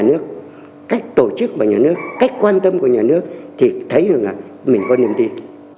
nhà nước cách tổ chức và nhà nước cách quan tâm của nhà nước thì thấy rằng là mình có niềm tin